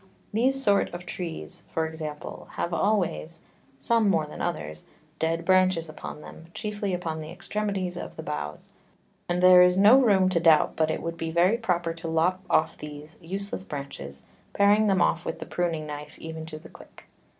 These sort of Trees, for example, have always (some more than others) dead Branches upon them, chiefly upon the Extremities of the Boughs; and there is no room to doubt but it would be very proper to lop off these useless Branches, paring them off with the pruning Knife even to the Quick.